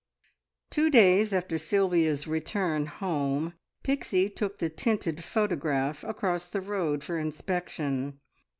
Two days after Sylvia's return home, Pixie took the tinted photograph across the road for inspection.